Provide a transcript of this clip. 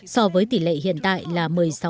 so với tỷ lệ hiện tại là một mươi sáu